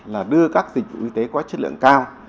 là đưa các dịch vụ y tế có chất lượng cao